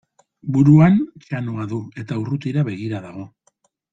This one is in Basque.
Buruan txanoa du eta urrutira begira dago.